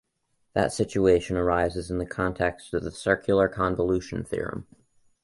That situation arises in the context of the Circular convolution theorem.